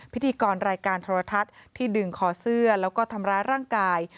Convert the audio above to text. พิธีกรรายการโทรทัศน์ที่ดึงคอเสื้อแล้วก็ทำร้ายร่างกาย